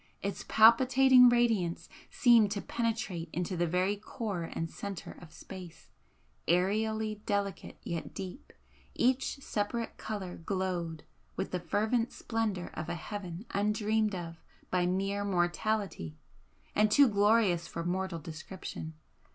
Its palpitating radiance seemed to penetrate into the very core and centre of space, aerially delicate yet deep, each separate colour glowed with the fervent splendour of a heaven undreamed of by mere mortality and too glorious for mortal description.